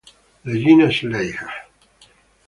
Regina Schleicher